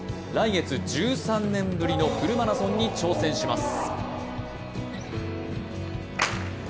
来月１３年ぶりのフルマラソンに挑戦します。